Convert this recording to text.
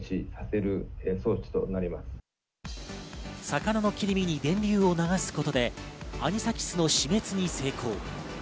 魚の切り身に電流を流すことでアニサキスの死滅に成功。